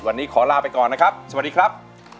วันนี้ขอลาไปก่อนนะครับสวัสดีครับ